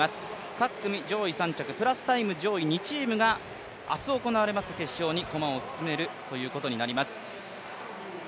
各組上位３着、プラスタイム上位２名が明日の決勝に駒を進めるということになります。